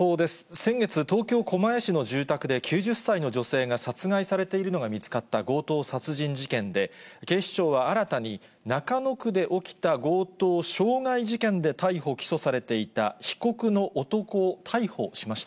先月、東京・狛江市の住宅で９０歳の女性が殺害されているのが見つかった強盗殺人事件で、警視庁は新たに、中野区で起きた強盗傷害事件で逮捕・起訴されていた被告の男を逮捕しました。